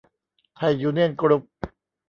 ไทยยูเนี่ยน กรุ๊ป